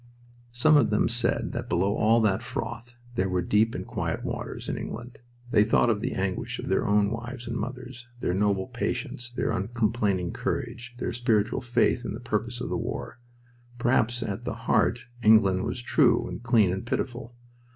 Some of them said that below all that froth there were deep and quiet waters in England. They thought of the anguish of their own wives and mothers, their noble patience, their uncomplaining courage, their spiritual faith in the purpose of the war. Perhaps at the heart England was true and clean and pitiful.